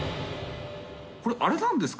これあれなんですか？